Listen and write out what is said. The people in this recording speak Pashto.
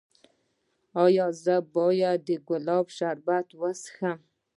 ایا زه باید د ګلاب شربت وڅښم؟